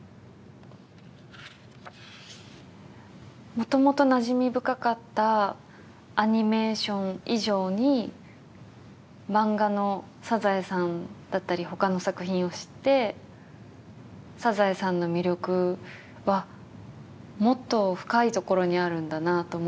もともとなじみ深かったアニメーション以上に漫画の『サザエさん』だったり他の作品を知って『サザエさん』の魅力はもっと深いところにあるんだなと思いましたし